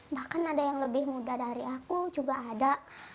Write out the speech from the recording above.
bahkan ada yang lebih muda dari aku juga ada